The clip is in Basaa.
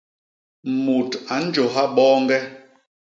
Mut a ñjôha boñge.